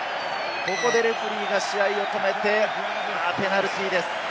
ここでレフェリーが試合を止めて、ペナルティーです。